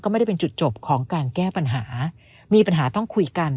ไม่ได้เป็นจุดจบของการแก้ปัญหามีปัญหาต้องคุยกัน